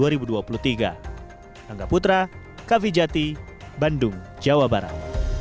rangga putra kavijati bandung jawa barat